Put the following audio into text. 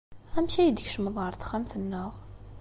Amek ay d-tkecmeḍ ɣer texxamt-nneɣ?